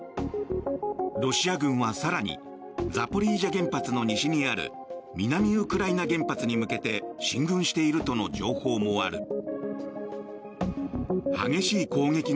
ロシア軍は更にザポリージャ原発の西にある南ウクライナ原発に向けて進軍しているとの情報もある。